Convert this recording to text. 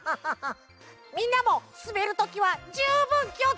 みんなもすべるときはじゅうぶんきをつけてね！